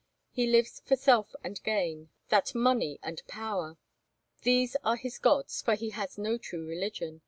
He lives for self and gain—that is, money and power. These are his gods, for he has no true religion.